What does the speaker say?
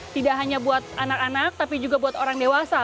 tidak hanya buat anak anak tapi juga buat orang dewasa